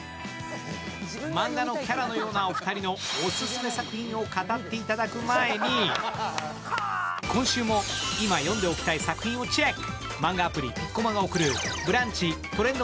マンガのキャラのようなお二人のオススメ作品を語っていただく前に、今週も、今読んでいただきたい作品をチェック！